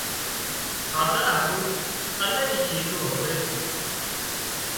کاڌا هارُو الاهي شِيزون هوئي سي